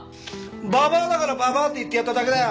ババアだからババアって言ってやっただけだよ！